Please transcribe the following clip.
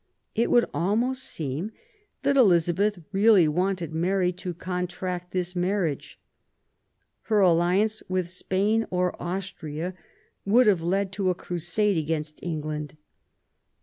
It would almost seem that Elizabeth really wished Mary to contract this marriage. Her alliance with Spain or Austria would have led to .a crusade against England.